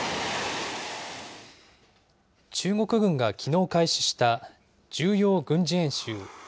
中国軍がきのう開始した重要軍事演習。